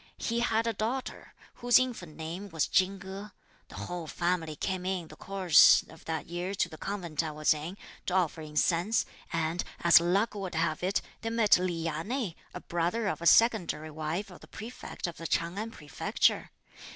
He had a daughter, whose infant name was Chin Ko; the whole family came in the course of that year to the convent I was in, to offer incense, and as luck would have it they met Li Ya nei, a brother of a secondary wife of the Prefect of the Ch'ang An Prefecture.